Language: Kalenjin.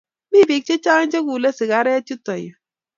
mii bik chichang chekule sigaretiek yutoyuu